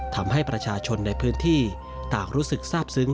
ทำให้ประชาชนในพื้นที่ต่างรู้สึกทราบซึ้ง